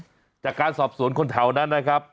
อ่ะจากการสอบศูนย์คนแถวนั้นนะครับ